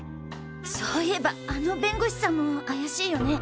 そういえばあの弁護士さんもあやしいよねっ？